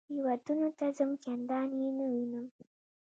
چې ودونو ته ځم چندان یې نه وینم.